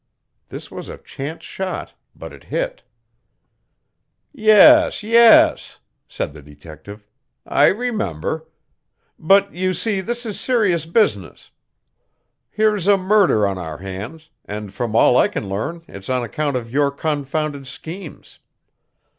This was a chance shot, but it hit. "Yes, yes," said the detective, "I remember. But, you see, this is serious business. Here's a murder on our hands, and from all I can learn it's on account of your confounded schemes.